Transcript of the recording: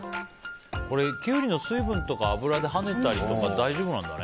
キュウリの水分とか油ではねたりとか大丈夫なんだね。